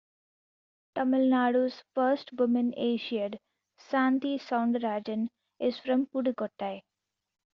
Tamil Nadu's first women Asiad Santhi Soundarajan is from Pudukkottai.